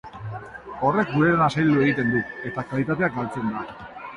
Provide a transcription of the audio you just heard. Horrek gure lana zaildu egiten du, eta kalitatea galtzen da.